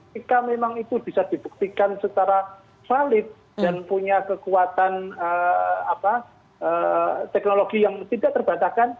jika memang itu bisa dibuktikan secara valid dan punya kekuatan teknologi yang tidak terbatas